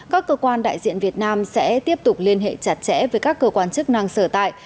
các cơ quan đại diện việt nam sẽ tiếp tục liên hệ chặt chẽ với các cơ quan chức năng sở tại